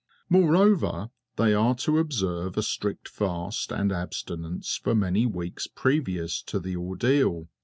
Moreover, they are to observe a strict fast and abstinence for many weeks previous to the ordeal.